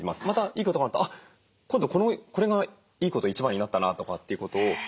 またいいことがあると「今度これがいいこと一番になったな」とかっていうことを。